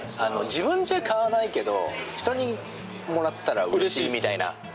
自分じゃ買わないけど人にもらったらうれしいみたいな。